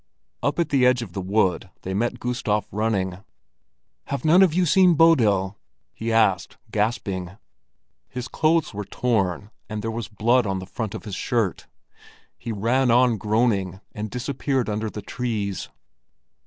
Up at the edge of the wood they met Gustav running. "Have none of you seen Bodil?" he asked, gasping. His clothes were torn and there was blood on the front of his shirt. He ran on groaning, and disappeared under the trees.